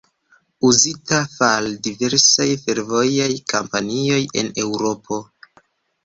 Uzita far diversaj fervojaj kompanioj en Eŭropo.